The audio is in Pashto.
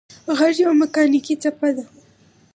غږ یوه مکانیکي څپه ده.